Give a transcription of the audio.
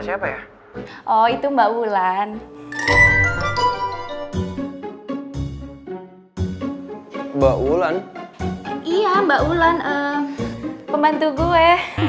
siapa ya oh itu mbak wulan mbak wulan iya mbak wulan eh pembantu gue